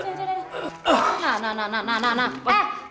nah nah nah nah nah nah